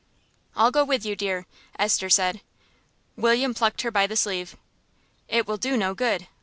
"I'll go with you, dear," Esther said. William plucked her by the sleeve. "It will do no good.